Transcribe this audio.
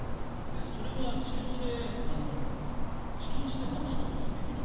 それは治療で治療して治すことができる。